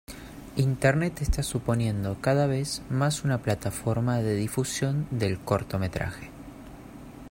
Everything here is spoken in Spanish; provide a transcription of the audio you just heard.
Internet está suponiendo cada vez más una plataforma de difusión del cortometraje.